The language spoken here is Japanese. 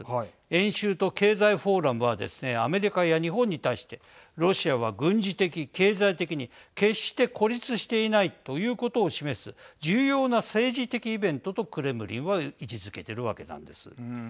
演習と経済フォーラムはですねアメリカや日本に対してロシアは軍事的、経済的に決して孤立していないということを示す重要な政治的イベントとクレムリンは位置づけてるわけなんです。